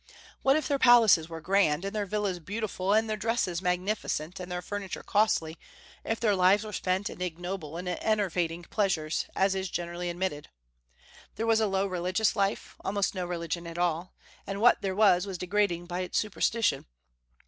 What if their palaces were grand, and their villas beautiful, and their dresses magnificent, and their furniture costly, if their lives were spent in ignoble and enervating pleasures, as is generally admitted. There was a low religious life, almost no religion at all, and what there was was degrading by its superstition.